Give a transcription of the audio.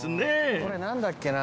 これ何だっけな？